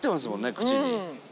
口に。